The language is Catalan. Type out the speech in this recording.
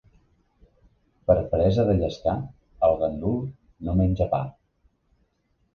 Per peresa de llescar el gandul no menja pa.